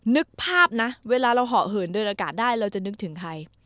นึกภาพนะเวลาเราเหาะเหินเดินอากาศได้เราจะนึกถึงใคร